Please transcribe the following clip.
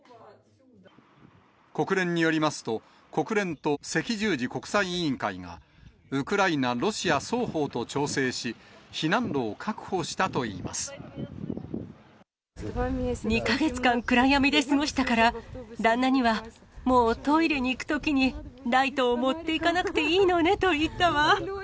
国連によりますと、国連と赤十字国際委員会が、ウクライナ、ロシア双方と調整し、２か月間、暗闇で過ごしたから、旦那には、もうトイレに行くときにライトを持っていかなくていいのねと言ったわ。